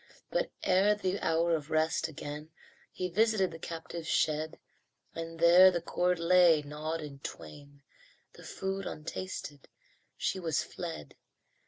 But ere the hour of rest, again He visited the captive's shed, And there the cord lay, gnawed in twain The food untasted she was fled.